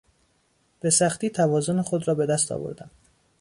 به سختی توازن خود را به دست آوردم.